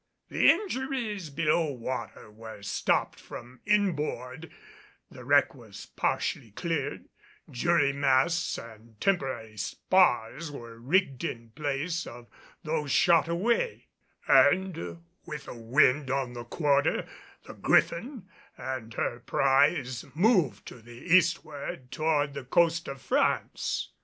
The injuries below water were stopped from inboard, the wreck was partially cleared, jury masts and temporary spars were rigged in place of those shot away, and, with a wind on the quarter, the Griffin and her prize moved to the eastward toward the coast of France.